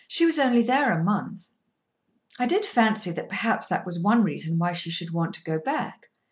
She was only there a month." "I did fancy that perhaps that was one reason why she should want to go back."